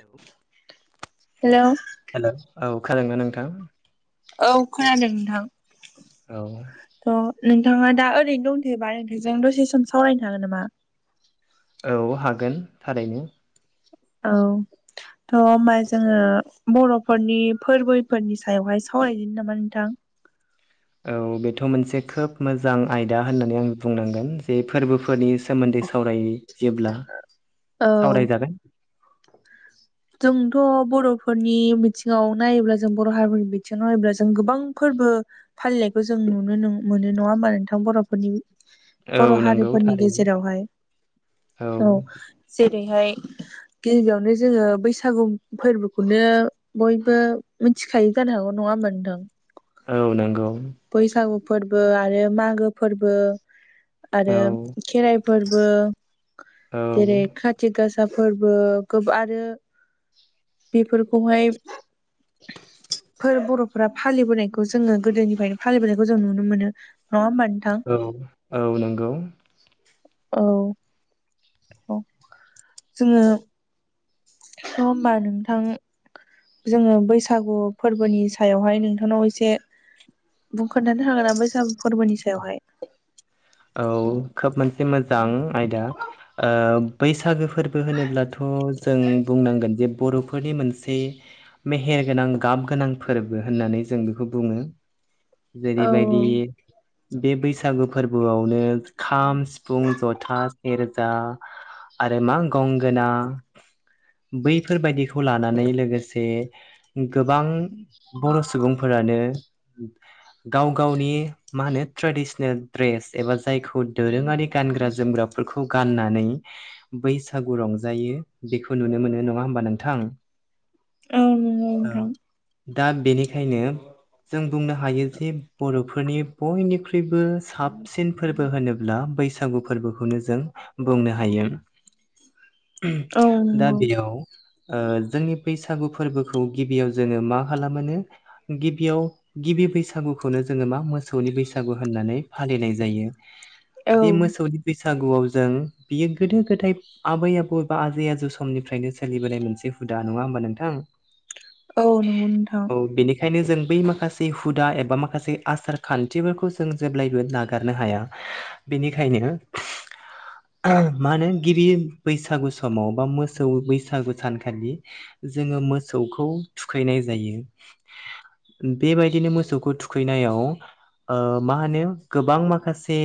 Hello hello औ खोनादोंना नोंथां? औ खोनादों नोंथां। औ। थ' नोंथाङा दा ओरैनो दंथयोबा नोंथांजों दसे सम सावरायनो हागोन नामा? औ हागोन थारैनो। औ थ' होनबा जोङो बर'फोरनि फोरबोफोरनि सायावहाय सावरायदिनो नामा नोंथां? औ बेथ' मोनसे खोब मोजां आयदा होननानै आं बुंनांगोन बे फोरबोफोरनि सोमोन्दै सावरायोब्ला औ सावरायजागोन जोंथ' बर'फोरनि बिथिङाव नायोब्ला जों बर' हारिनि बिथिङाव नायोब्ला जों गोबां फोरबो फालिनायखौ जों नुनो मोनो नङा होमबा नोंथां बर'फोरनि बर' औ नंगौ हारिफोरनि थारैनो गेजेरावहाय औ जेरैहाय गिबियावनो जोङो बैसागु फोरबोखौनो बयबो मिथिखायो जानो हागौ नङाहोमबा नोंथां? औ नंगौ। बैसागु फोरबो आरो मागो फोरबो आरो औ खेराइ फोरबो औ जेरै खाथि गासा फोरबो गोब आरो बेफोरखौहाय फोर बर'फोरा फालिबोनायखौ जोङो गोदोनिफ्रायनो फालिबोनायखौ जों नुनो मोनो। नङा होमबा नोंथां औ औ नंगौ। औ औ जोङो स होमबा नोंथां जोङो बैसागु फोरबोनि सायावहाय नोंथांनाव एसे बुं खोन्थानो हागोन नामा बैसागु फोरबोनि सायावहाय औ खोब मोनसे मोजां आयदा ओ बैसागो फोरबो होनोब्लाथ' जों जों बुंनांगोन जे बर'फोरनि मोनसे मेहेर गोनां गाब गोनां फोरबो होननानै जों बेखौ बुङो [inaudible] जेरैबायदि बे बैसागु फोर बोआवनो खाम सिफुं जथा सेरजा आरो मा गंगोना बैफोरबायदिखौ लानानै लोगोसे गोबां बर' सुबुंफोरा नो गाव गावनि मा होनो ट्रेडिसनेल द्रेस एबा जायखौ दोरोङारि गानग्रा जोमग्राफोरखौ गाननानै बैसागु रं जायो बेखौ नुनो मोनो नङा होमबा नोंथां? [unintelligible] नंगौ ओ नोंथां दा बेनिखायनो जों बुंनो हायो जे बर'फोरनि बयनिख्रुइबो साबसिन फोरबो होनोब्ला बैसागु फोरबोखौनो जों बुंनो हायो। [unintelligible] दा नंगौ बेयाव ओ जोंनि बैसागु फोरबोखौ गिबियाव जोङो मा खालामोनो गिबियाव गिबि बैसागुखौनो जोङो मा मोसौनि बैसागु होननानै फालिनाय जायो औ बे मोसौनि बैसा बैसागुआव जों बियो गोदो गोदाय आबै आबौ एबा आजै आजौ समनिफ्रायनो सोलिबोनाय मोनसे हुद दा नङा होमबा नोंथां? औ नंगौ नोंथां। औ बेनिखायनो जों बै माखासे हुदा एबा माखासे आसार खान्थिफोरखौ जों जेब्लाय बो नागारनो हाया बेनिखायनो मा होनो गिबि बैसागु समाव बा मोसौ बैसागु सानखालि जोङो मोसौखौ थुखैनाय जायो। बेबायदिनो मोसौखौ थुखैनायाव ओ मा होनो गोबां माखासे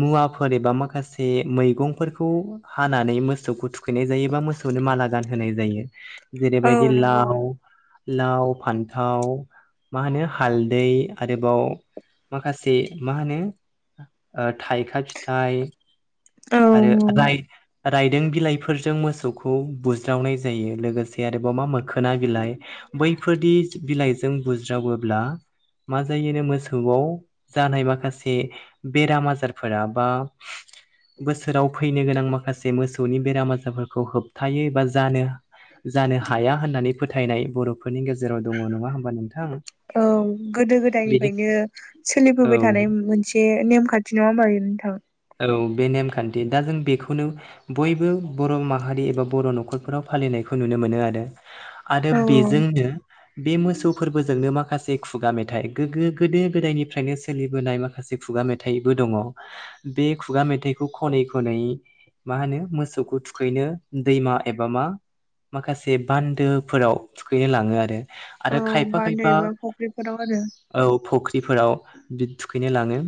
मुवाफोर एबा माखासे मैगंफोरखौ हानानै मोसौखौ थुखैनाय जायोबा मोसौ नो माला गान होनाय जायो औ जेरैबायदि नंगौ लाव लाव फान्थाव मा होनो हालदै आरोबाव माखासे से मा होनो ओ थाइखा फिथाइ औ आरो औ रायदों बिलाइफोरजों मोसौखौ बुज्रावनाय जायो लोगोसे आरोबाव मा मोखोना बिलाइ बैफोरदि बिलाइजों बुज्रावोब्ला मा जायोनो मोसौआव जानाय माखासे बेराम आजारफोरा बा बोसोराव फैनो गोनां माखासे मोसौनि बेराम आजारफोरखौ होबथायो एबा जानो जानो हाया होननानै फोथायनाय बर'फोरनि गेजेराव दङ नङा होमबा नोंथां? औ गोदो बेनि गोदायनिफ्रायनो सो औ लिबोबाय थानाय मोनसे नेम खान्थि नङा होनबा बेयो नोंथां? औ बे नेमखान्थि दा जों बेखौनो बयबो बर' माहारि एबा बर' न'खरफोराव फालिनायखौ नुनो मोनो आरो आरो औ बेजोंनो बे मोसौ फोरबोजोंनो माखासे खुगा मेथाइ गोगो गोदो गोदायनि निफ्रायनो सोलिबोनाय माखासे खुगा मेथाइबो दङ बे खुगा मेथाइखौ खनै खनै मा होनो मोसौखौ थुखैनो दैमा एबा मा माखासे बान्दोफोराव थुखैनो लाङो आरो औ आरो खायफा बान्दो खायफा एबा फुख्रिफोराव आरो औ फख्रिफोराव थुखैनो लाङो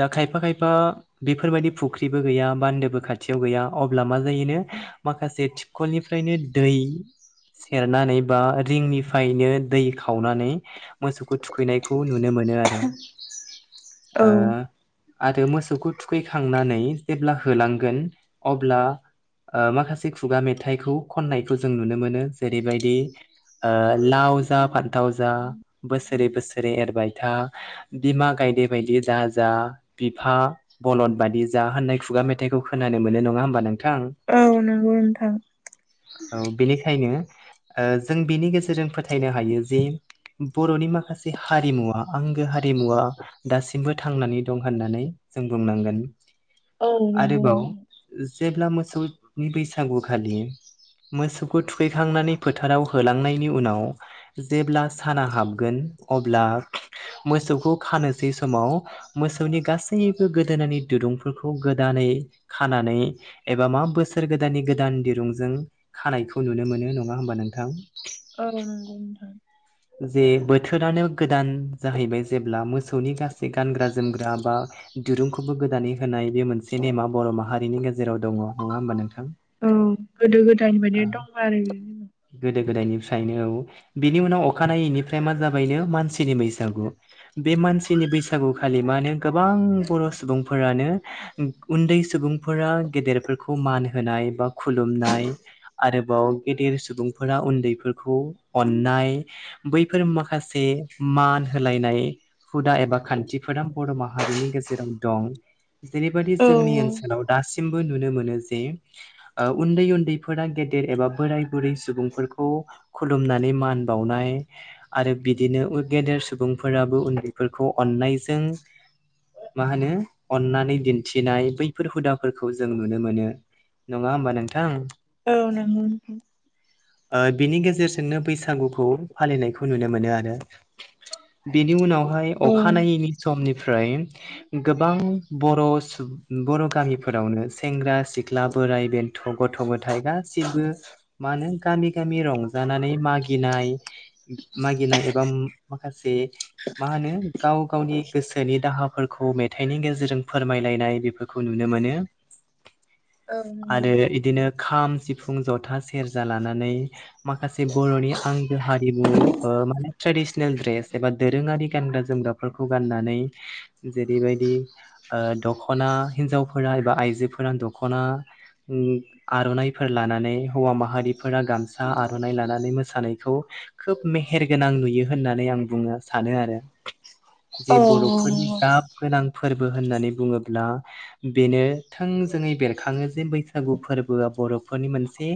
दा खायफा खायफा बेफोरबायदि फुख्रिबो गैया बान्दोबो खाथि थियाव गैया अब्ला मा जायोनो माखासे थिंखलनिफ्रायनो दै सेरनानै बा रिंनिफ्रायनो दै खावनानै मोसौखौ थुखैनायखौ नुनो मो मोनो आरो औ ओ आरो मोसौखौ थुखैखांनानै जेब्ला होलांगोन अब्ला ओलमाखासे खुगा मेथाइखौ खननायखौ जों नुनो मोनो जेरैबायदि ओ लाव जा फान्थाव जा बोसोरै बोसोरै एरबाय था बिमा गायदे बायदि दाजा बिफा बलन बायदि जा होननाय खुगा मेथाइखौ खोनानो मोनो नङा होमबा नोंथां औ नंगौ नोंथां। औ बेनिखायनो ओ जों बिनि गेजेरजों फोथायनो हायो जि बर'नि माखासे हारिमुवा आंगो हारिमुआ दासिमबो थांनानै दं होननानै जों बुंनांगोन औ नोंगौ आरोबाव जेब्ला मोसौनि बैसागुखालि मोसौखौ थुखैखांनानै फोथाराव होलांनायनि उनाव जेब्ला साना हाबगोन अब्ला मोसौखौ खानोसै समाव मोसौनि गासैबो गोदोनानि दुरुंफोरखौ गोदानै खानानै एबा मा बोसोर गोदाननि गोदान दिरुंजों खानायखौ नुनो मोनो नङा होमबा नोंथां औ नंगौ नोंथां जे बोथोरानो गोदान जाहैबाय जेब्ला मोसौनि गासै गानग्रा जोमग्रा बा दिरुंखौबो गोदानै होनाय बे मोनसे नेमा बर' माहारिनि गेजेराव दङ नङा होमबा नोंथां औ गोदो गोदायनि बायदि दं आरो गोदो गोदायनिफ्रायनो बिनि उनाव अखानायैनिफ्राय मा जाबायनो मानसिनि बैसागु बे मानसिनि बैसागुखालि मा होनो गोबां बर' सुबुंफोरानो उन्दै सुबुंफोरा गेदेरफोरखौ मान होनाय बा खुलुमनाय आरोबाव गेदेर सुबुंफोरा उन्दैफोरखौ अननाय बैफोर माखासे मान होलायनाय हुदा एबा खान्थिफोरा बर' माहारि रिनि गेजेराव दं जेरैबायदि जोंनि औ ओनसोलाव दासिमबो नुनो मोनो जे ओ उन्दै उन्दैफोरा गेदेर एबा बोराय बुरै सुबुंफोरखौ खुलुमनानै मान बावनाय आरो बिदिनो गेदेर सुबुंफोराबो उन्दैफोरखौ अननायजों मा होनो अन्नानै दिन्थिनाय बैफोर हुदाफोरखौ जों नुनो मोनो नङा होमबा नोंथां औ नोंगौ नोंगौ ओ बिनि गेजेरजोंनो बैसागु खौ फालिनायखौ नुनो मोनो आरो बिनि उनावहाय औ नंगौ अखानायैनि समनि फ्राय गोबां बर' सु बर' गामिफोरावनो सेंग्रा सिख्ला बोराइ बेन्थ' गथ' गथाय गासिबो मानो गामि गामि रंजानानै मागिनाय मागिनाय एबा माखासे मा होनो गाव गावनि गोसोनि दा हाफोरखौ मेथाइनि गेजेरजों फोरमायलायनाय बेफोरखौ नुनो मोनो। औ नंगौ बिदिनो खाम सिफुं जथा सेरजा लानानै माखासे बर'नि आं हारिमु माने ट्रेडिसनेल ड्रेस एबा दोरोङारि गानग्रा जोमग्राफोरखौ गाननानै जेरैबायदि दख'ना हिनजावफोरा एबा आइजोफोरा दख'ना आर'नाफोर लानानै हौवा माहारिफोरा गामसा आर'ना लानानै मोसानाय- खौ खोब मेहेर गोनां नुयो होननानै आं बुंनो सानो आरो औ जे बर'फोरनि नंगौ गाब गोनां फोरबो होननानै बुङोब्ला बेनो थोंजोङै बेरखाङो जे बैसागु फोरबोआ बर'फोरनि मोनसे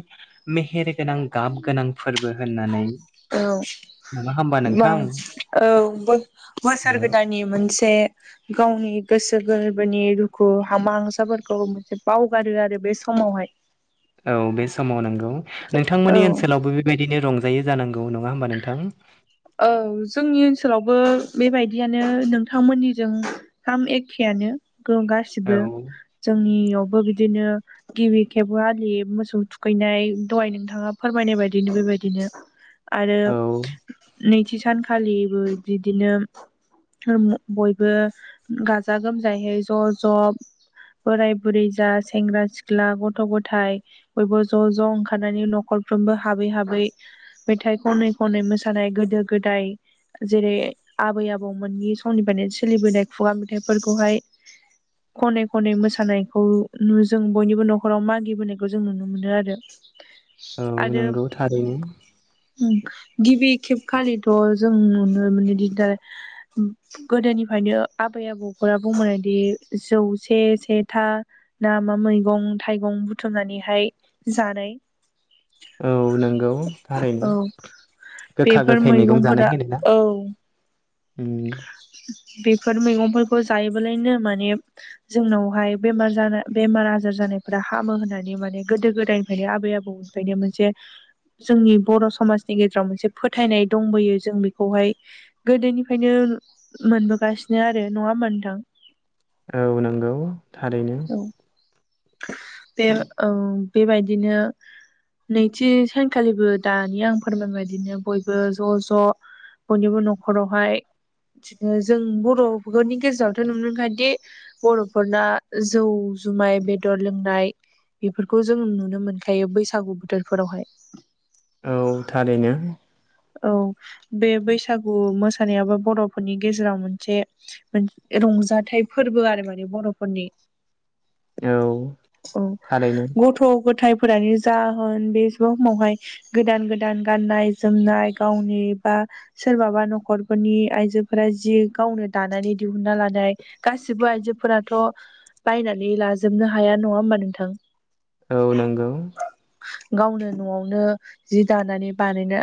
मेहेर गोनां गाब गोनां फोरबो होननानै नङा होमबा बा नोंथां औ औ बोसोर गोदाननि मोनसे गावनि गोसो गोरबोनि दुखु हामा हांसाफोरखौ मोनसे बावगारो आरो बे समावहाय औ बे समाव नंगौ औ नोंथांमोननि ओनसोलावबो बेबायदिनो रं- जायो जानांगौ नङा होमबा नोंथां औ जोंनि ओनसोलावबो बेबायदियानो नोंथांमोननिजों थाम एखेयानो औ गासिबो जोंनियावबो बिदिनो गिबि खेबबो आलि मोसौ थुखैनाय दहाय नोंथाङा फोरमायनाय बायदिनो बेबायदिनो आरो औ नैथि सानखालिबो बिदिनो बयबो गाजा गोमजायैै ज' ज' बोराय बुरै जा सेंग्रा सिख्ला गथ' गथाय बयबो ज' ज' ओंखारनानै न'खर फ्रोमबो हाबै हाबै मेथाइ खनै खनै मोसायो थानाय गोदो गोदाय जेरै आबै आबौमोननि समनिफ्रायनो सोलिबोनाय खुगा मेथाइ फोरखौहाय खनै खनै मोसानायखौ जों बयनिबो नखराव मानि बोनायखौ जों नुनो मोनो आरो औ आरो नंगौ थारैनो गिबि खेबखालिथ जों नुनो मोनो दिदार गोदोनिफ्रायनो आबै आबौखौ नखरा बुंबोनायदि जौसे से था ना मा मैगं थाइगं बुथुमनानै बेहाय जानाय औ नंगौ औ थारोयनो गोखा बेफोर गोखै मैगं मैगंफोरा जानाय होनो ना औ बेफोर मैगं खौ जायोबालायनो माने जोंनावहाय बेमार जानाय बेमार आजार जानायफोरा हामो होननानै माने गोदो गोदायनिफ्रायनो आबै आबौनिफ्रायनो मोनसे जोंनि बर‌ समाजनि गेजेराव मोनसे फोथायनाय दंबोयो जों बेखौहाय गोदोनि ओंखायनो मोनबोगासिनो आरो नङा ओमबा नोंथां औ नोंगौ थारैनो औ बे औ बेबायदिनो नैथि सानखालिबो दानि आं फोरमायबायदिनो बयबो ज ज बयनिबो नखरावहाय बिदिनो जों बरफोरनि गेजेरावथ नुनोखायदि बर फोरना जौ जुम माइ बेदर लोंनाय बेफोरखौ जों नुनो मोनखायो बैसागु बोथोरफोरावहाय औ थारैनो औ बे बैसागु मोसानायाबो बरफोरनि गेजेराव मोनसे रंजाथाइ फोरबो आरो माने बरफोरनि औ औ थारैनो गथ गथाय फो फोरानि जाहोन बेसे समावहाय गोदान गोदान गाननाय जोमनाय गावनि बा सोरबाबा नखरफोरनि आइजोफोरा जि गावनो दानानै दिहुनना लानाय गासिबो आइजोफोराथ बायनानै नानै लाजोबनो हाया नङा होमबा नोंथां औ नोंगौ गावनो नआवनो जि दानानै बानायना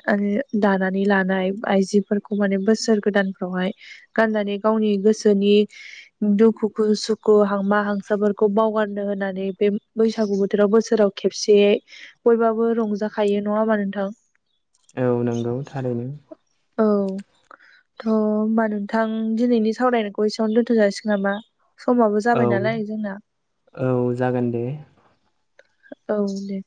दानानै लानाय आइजोफोर बेखौ माने बोसोर गोदानफ्रावहाय गाननानै गावनि गोसोनि दुखुखो सुखु हांमा हां साफोरखौ बावगारनो होननानै बे बैसागु बोथोराव बोसोराव खेबसे बयबाबो रंजा जाखायो नङा होमबा नोंथां। औ नंगौ थारैनो औ थ होमबा नोंथां दिनैनि सावरायनायखौ एसेयावनो दोन्थ जासिगोन नामा। समाबो औ जाबाय नालाय जोंना। औ जागोन दे औ दे